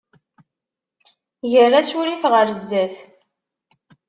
Ger asurif ɣer zzat.